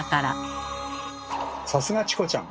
さすがチコちゃん！